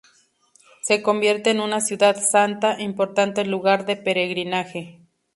Se convierte en una ciudad santa, importante lugar de peregrinaje.